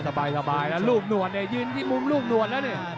สบายแล้วลูกหนวดเนี่ยยืนที่มุมลูกหนวดแล้วเนี่ย